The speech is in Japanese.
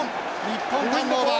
日本ターンオーバー。